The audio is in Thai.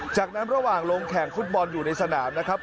จากนั้นระหว่างลงแข่งฟุตบอลอยู่ในสนามนะครับ